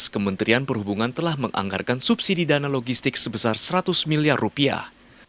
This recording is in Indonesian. kementerian perhubungan telah menganggarkan subsidi dana logistik sebesar seratus miliar rupiah